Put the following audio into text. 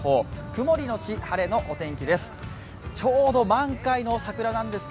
曇りのち晴れのお天気です。